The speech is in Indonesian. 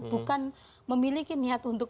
bukan memiliki niat untuk